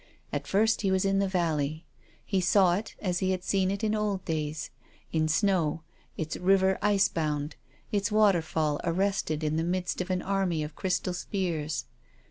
At first he was in the valley. He saw it, as he had seen it in old days, in snow, its river ice bound, its waterfall arrested in the midst of an army of crystal spears.